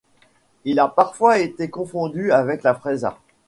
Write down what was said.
Il a parfois été confondu avec la freisa.